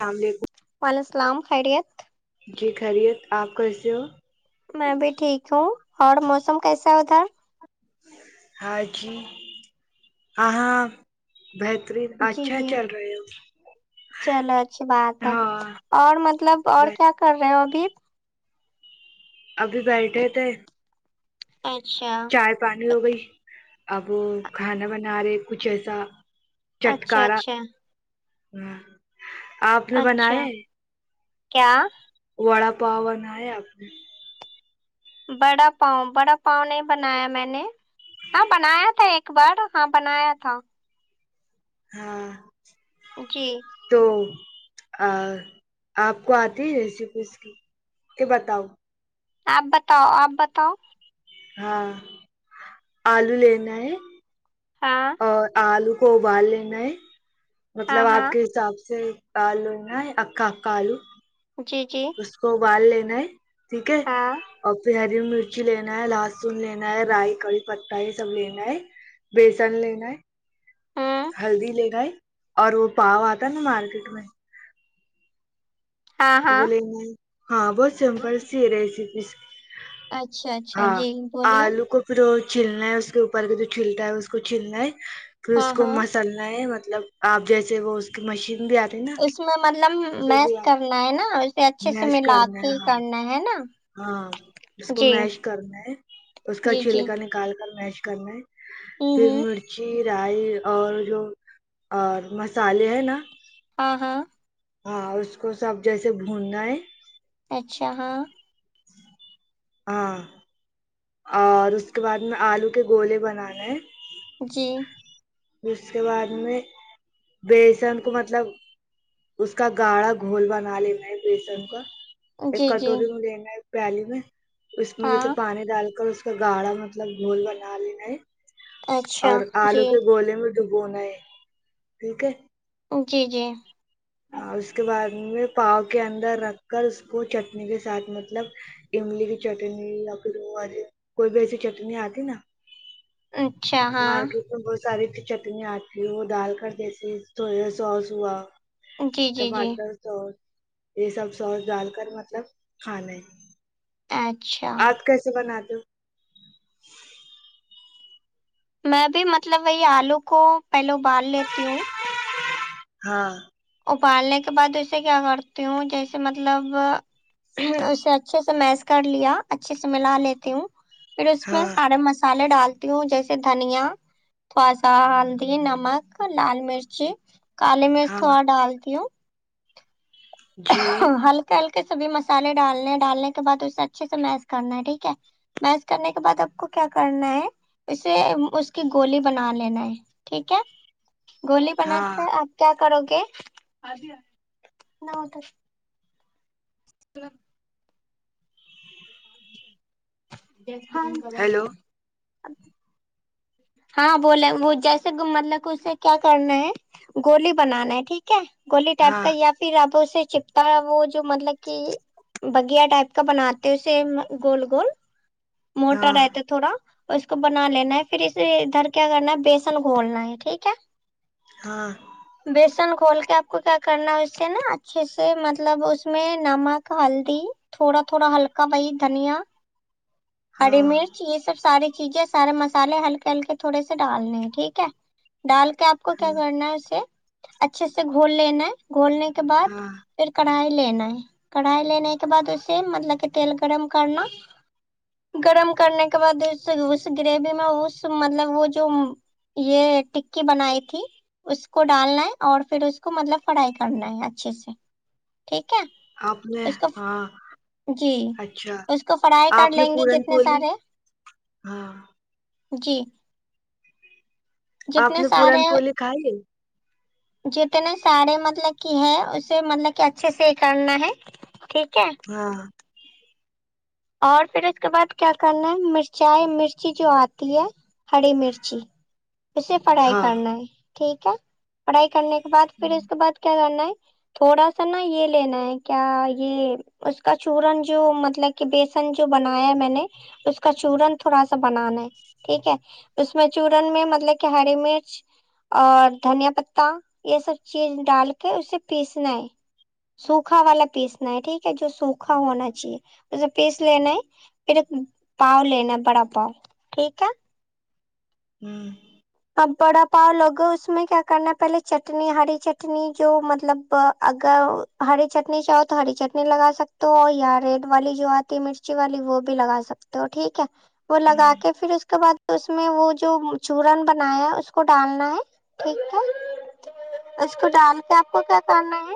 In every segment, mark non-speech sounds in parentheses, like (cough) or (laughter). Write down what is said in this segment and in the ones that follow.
اسلام علیکم وعلیکم السلام خیریت جی خیریت آپ کیسے ہو میں بھی ٹھیک ہوں اور موسم کیسا ہے ادھر ہاں جی آ ہاں بہترین جی اچھا جی چل رہے ہو ہاں اوڑ مطلب اوڑ ب- کیا کر رہے ہو ابھی ابھی بیٹھے تھے اچھا چائے پانی ہو گئی اب وہ کھانا بنا رہے کچھ ایسا اچھا چٹکارا اچھا ہاں آپ نے بنایا اچھا ہے؟ کیا وڑا پاؤ بنایا اپ نے بڑا پاؤ بڑا پاؤ نہیں بنایا میں نے ہاں بنایا تھا ایک ابار ہاں بنایا تھا ہاں جی تو ا آپ کو آتی ہے ریسپی اس کی کے بتاؤ آپ بتاؤ آپ بتاؤ ہاں آلو لینا ہے ہاں اور آلو کو ابال لینا ہے ہاں مطلب ہاں آپ کے حساب سے ابال لینا اکا اکالو جی جی اس کو ابال لینا ہے ٹھیک ہے ہاں اور پھر ہری مرچی لینا ہے لہسن لینا رائی کڑی پتا یہ سب لینا ہے بیسن لین ہے ہوں ہلدی لےگئے اور وہ پاؤ آتا ہے نا مارکیٹ میں ہاں ہاں بولیں گے ہاں بہت سمپل سی ریسیپیز اچھا اچھا جی بولیے کو پھر وہ چلنا ہے اس کے اوپر کا جو چھلتا ہے اس کو چلنا ہے پھر ہاں اس کو ہاں مست تلنا ہے مطلب آپ جیسے وہ اس کی مشین بھی آتی نا اس میں مطلب اس سے میس بھی کرنا ہے نا اسے اچھے سے میش ملا کرنا کے ہے ہاں کرنا ہے نا ہاں اس کو جی میش کرنا ہے اس کا جی جی چھلکا نکال کر میش کرنا ہے ہوں پھر ہوں مرچی رائی اور جو اور مسالے ہے نا ہاں ہاں ہاں اس کو سب جیسے بھوننا ہے اچھا ہاں ہاں اور اس کے بعد میں آلو کے گولے بنانے ہیں جی اس کے بعد میں بیسن کو مطلب اس کا گاڑھا گھول بنا لا ہے بیسن کا ایک جی جی کٹوری میں لینا ایک پیالی میں اس میں جیسے ہاں پانی ڈال کر اس گاڑھا مطلب گھول بنا لینا ہے اچھا اور آلو جی گھولے میں ڈبونا ہے ٹھیک ہے وکے جی اور اس کے بعد میں پاؤ کے اندر رکھ کر اس کو چٹنی کے ساتھ مطلب املی کی چٹنی لکڑو اور کوئی بھی ایسی چٹنی آتی نا اچھا ہاں مارکیٹ بہت ساری چٹنیں آتی وہ ڈال کر جیسی سوس ہوا جی جی جی ٹماٹر سوس یہ سب سوس ڈال کر مطلب کھانا ہے اچھا آپ کیسے بنا تے ہو میں بھی مطلب وہی آلو کو پہلے ابال لیتی ہوں ہاں ابالنے کے بعد ویسے کیا کرتی ہوں جیسے مطلب اسے اچھے سے میس کر لیا اچھے سے ملا لیتی ہوں پھر اس میں ہاں سارے مسالے ڈالتی ہوں جیسے دھنیا تھوڑا سا ہلدی نمک لال مرچ کالی مرچ ہاں تھوڑا ڈالتی ہوں جی ہلکے ہلکے سبھی مسالے ڈالنے ڈالنے کے بعد اسے اچھے سے میس کرنا ہے ٹھیک ہے میچ کرنے کے بعد آپ کو کیا کرنا ہے اسے اس کی گولی بنا لینا ہے ٹھیک ہے گولی بنا ہاں کر آپ کیا کرو گے دیکھان کرے ہیلو ہاں بولے وہ جیسے مطلب اسے کیا کرنا ہے گولی بنانا ہے ٹھیک کیا گولی ٹائپ ہاں کا یا پھر اب اس سے چپتا وہ جو مطلب کہ بگیا ٹائپ کا بناتے اسے گول گول موٹر ہاں رہتا تھوڑا اور اس کو بنا لینا ہے پھر اسے ادھر کیا کرنا ہے بیسن گھولنا ہے ٹھیک ہے ہاں بیسن کھول کے آپ کو کیا کرنا اس سے نا اچھے سے مطلب اس میں نمک ہلدی تھوڑا تھوڑا ہلکا وی دھنیا ہری ہاں مرچ یہ سب ساری چیزیں سارے مس مسالے ہلکے ہلکے تھوڑے سے ڈالنے ہیں ٹھیک ہے ڈال کے آپ کو کیا کرنا ہے اسے اچھے سے گھول لینا ہے گھولنے کے بعد ہاں پھر کڑھائی لینا ہے کڑھائی لینے کے بعد اسے مطلب کہ تیل گرم کرنا گرم کرنے کے بعد اس اس گریوی میں اس مطلب وہ جو یہ ٹکی بنائی تھی اس کو ڈالنا ہے اور پھر اس کو مطلب فرائی کرنا ہے اچھے سے ٹھیک ہے آپ نے اس کو ہاں جی اچھا اس کو فرائی آپ کر نے لیں گے پورن جتنے کھولی سارے ہاں جی جتنے سارے کھالے جتنے سارے مطلب کہ ہے اسے مطلب کہ اچھے سے ہی کرنا ہے ٹھیک ہے ہاں اور پھر اس کے بعد کیا کرنا ہے مرچائی مرچی جو آتی ہے ہری مرچی اسے فرائی ہاں کرنا ہے ٹھیک ہے فرائی کرنے کے بعد پھر اس ہوں کے بعد کیا کرنا ہے تھوڑا سا نا یہ لینا ہے کیا یہ اس کا چورن جو مطلب بیسن جو بنایا ہے میں نے اس کا چورن تھوڑا سا بنانا ہے ٹھیک ہے اس میں چورن میں مطلب کہ ہری مرچ اور دھنیا پتا یہ سب چیز ڈال کے اسے پیسنا ہے سوکھا والا پیسنا ہے ٹھیک ہے جو سوکھا ہونا چاہیے اسے پیس لینا ہے پھر ایک پاؤ لینا ہے بڑا پاؤ ٹھیک ہے ہوں ا بڑا پاؤ لوگے اس میں کیا کرنا پہلے چٹنی ہری چٹنی جو مطلب اگر ہری چٹنی چاہو تو ہری چٹنی لگا سکتے ہو یا ریڈ والی جو آتی ہے مرچی والی وہ بھی لگا سکتے تو ٹھیک ہے وہ لگا ہوں، کے پھر اس کے بع اس میں وہ جو چورن ب نایا اس کو ڈالنا ہے ٹھیک ہے اس کو ڈال کے آپ کو کیا کرنا ہے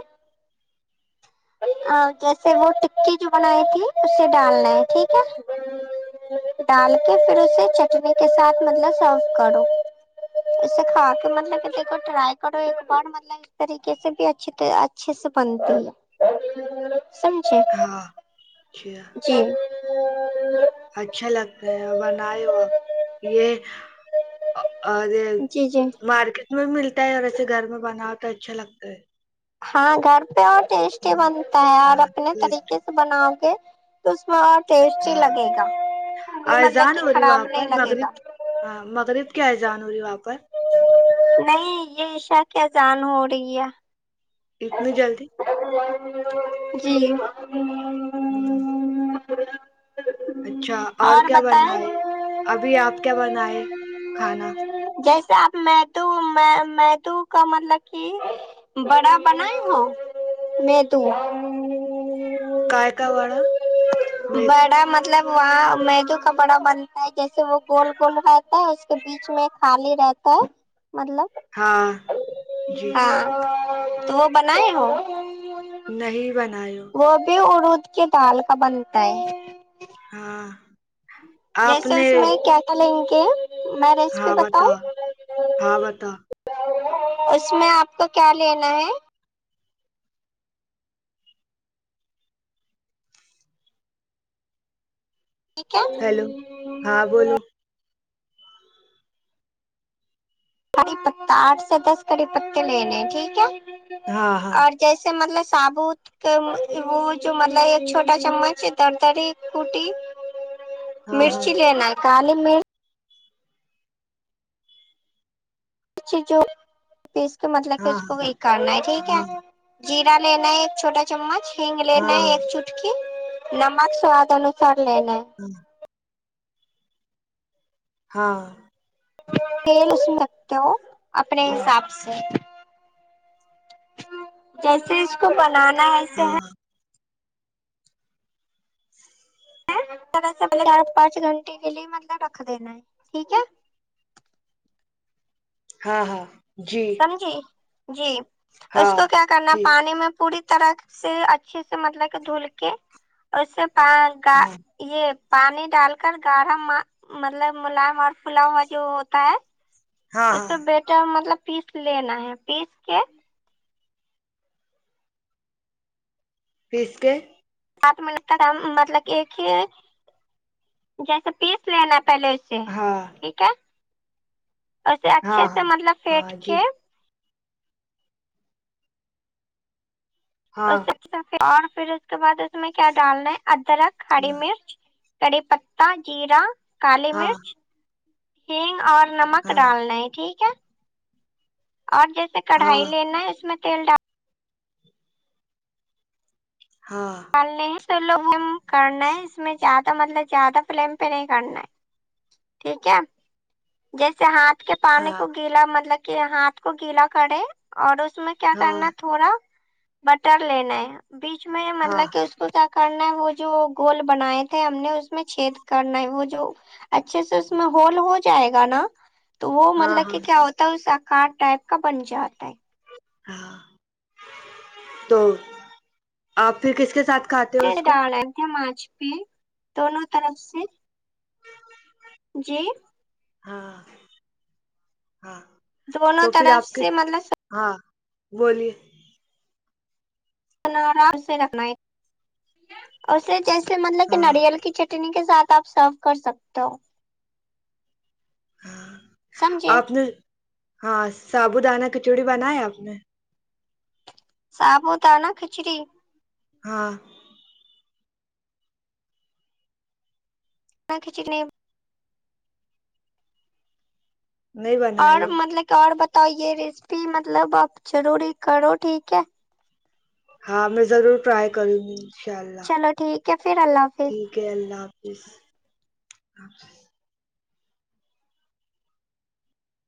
ہاں جیسے وہ ٹکی جو بنائی تھی اسے ڈالنا ہے ٹھیک ہے ڈال کے پھر اسے چٹنی کے ساتھ مطلب سرو کرو اسے کھا کے مطلب کہ دیکھو ٹرائی کرو ایک بار مطلب طریقے سے بھی اچ اچھے سے بنتی ہے سمجھے ہاں اچھا جی اچھا لگتا ہے بنائے ہو آپ یہ اور یہ جی جی مارکیٹ میں بھی ملتا ہے اور ایسے گھر میں بنا ہو تو اچھا لگتا ہے ہاں گھر پہ اور ٹیسٹی بنتا ہے اور ہاں اپنے ٹیسٹ طریقے سے بناؤ گے تو اس میں ٹیسٹی ہاں لگے گا مطلب اذان کہ ہو رہی خراب وہاں نہیں پر لگے مغرب گا ہاں مغرب کیا اذان رہی وہاں پر نہیں یہ عشاء کیا ازان ہو رہی ہے اتنی جلدی جی ہوں (inaudible) اچھا اور کیا بنائے ابھی آپ کیا بنائے کھانا جیسے آپ میں م توو کا مطلب کہ بڑا بنا ہ میں تو کائے کا وڑا میں بڑا مطلب وہاں میجو کا بڑا بنتا ہے جیسے وہ گول گول رہتا ہے اس کے بیچ بیچ میں خالی رہتا ہے مطلب ہاں جی ہاں تو وہ بنائے ہو نہیں بنائ ہو وہ بھی ارود کی دال کا بنتا ہے ہاں آپ جیسے نے اس میں کیا تھا لیں گے میں ریسیپی ہاں بتا بتاؤں ہاں بتا اس میں آپ کو کیا لینا ہے ٹھیک ہے ہیلو ہاں بولو کڑی پتا آٹھ سے دس کڑی پتے لینے ٹھیک ہے ہاں ہاں اور جیسے مطلب سابوت وہ جو مطلب ایک چھوٹا چمچ دردر کٹی ہاں مرچی لینا ہے کالی مرچ جی جو اس کے مطلب کہ ہاں اس کو وہ کرنا ہے ٹھیک ہاں ہے جیرا لینا ہے ایک چھوٹا چمچ ہینگ لینا ہے ہاں ایک چٹ نمک سواد انوسار لین ہے ہاں ہاں ہاں تیل اس میں رکھتے ہو اپنے حساب سے جیسے اس کو بنانا ہے ایسے ہاں (unintelligible) پانچ گھنٹے کے لیے مطلب رکھ دینا ہےٹھیک ہے ہاں ہاں جی جی جی اس ہاں کو کیا کرنا جی پانی میں پوری طرح سے اچھے سے مطلب کہ دھل کے اور اس سے ہاں یہ پانی ڈال کر گاڑھا مطلب ملیام اور پھلا ہوا جو ہوتا ہے ہاں اس تو ہاں بیٹا مطلب پیس لینا ہے پیس کے پیس کے سات منٹ کا مطلب ایک ہی جیسے پیس لینا پہلے ہاں ٹھیک ہے اسے ہاں اچھے سے ہاں مطلب پھیٹ ہاں جی کے ہاں اس اور پھر اس کے بعد اس میں کیا ڈالنا ہے ادرک ہاری ہاں مرچ کڑھی پتہ جیرا کالی ہاں مرچ ہینگ اور نمک ہاں ڈالنا ہے ٹھیک ہے اور جیسے ہاں کڑھائی لینا ہے اس میں تیل ڈال ہاں النے تو لوگ کرنا ہے اس میں زیادہ مطلب زیادہ فلیم پہ نہیں کرنا ہے ٹھیک ہے جیسے ہاتھ کے پانی ہاں کو گیلا مطلب کہ ہاتھ کو گیلا کریں اور اس میں کیا ہاں کرنا تھوڑا بٹر لینا ہے بیچ میں مطلب ہاں کہ اس کیا کرنا ہے وہ جو گول بنائے تھے ہم نے اس میں چھید کرنا ہے وہ جو اچھے سے اس میں ہول ہو جائے گا نا تو وہ ہاں مطلب کہ ہاں کیا ہوتا ہے اس آکار ٹائپ کا بن جاتا ہے ہاں تو آپ پھر کس کے ساتھ کھات ڈالئے تھے ماچھ پہ دونوں طرف سے جی ہاں ہاں تو دونوں پھر آپ طرف کے سے مطلب ہاں بولیے آرام سے رکھنا ہے اسے جیسے مطلب کہ ہاں ناریل کی چاٹنی چٹنی کے ساتھ آپ سرو کر سکتے ہو ہاں سمجھے آپ نے ہاں سابو دانہ کھچڑی بنایا آپ نے صابو دانا کھچڑی ہاں (unintelligible) نہیں اور بنائی ہو مطلب کہ اور بتائے ریسیپی مطلب آپ ضروری کرو ٹھیک ہے ہاں میں ضرور ٹرائی کروں گی ان شہا اللہ چلو ٹھیک ہے پھر اللہ حافظ ٹھیک اوکے اللہ حافظ